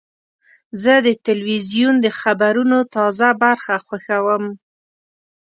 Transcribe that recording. زه د تلویزیون د خبرونو تازه برخه خوښوم.